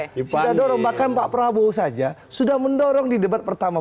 kita dorong bahkan pak prabowo saja sudah mendorong di debat pertama